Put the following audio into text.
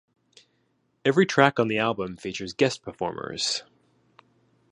Every track on the album features guest performers.